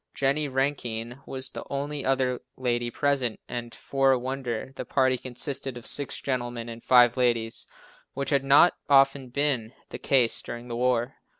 Jennie Rankine was the only other lady present and, for a wonder, the party consisted of six gentlemen and five ladies, which has not often been the case during the war.